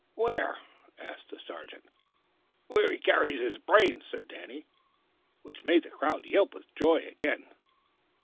"Where?" asked the sergeant. "Where he carries his brains," said Danny, which made the crowd yelp with joy again.